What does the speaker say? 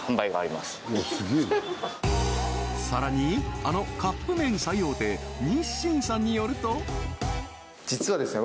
さらにあのカップ麺最大手日清さんによると実はですね